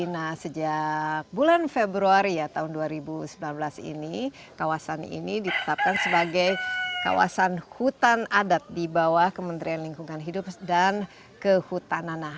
nah sejak bulan februari ya tahun dua ribu sembilan belas ini kawasan ini ditetapkan sebagai kawasan hutan adat di bawah kementerian lingkungan hidup dan kehutanan